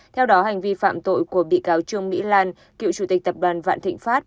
theo đó hành vi phạm tội của bị cáo trương mỹ lan cựu chủ tịch tập đoàn vạn thịnh pháp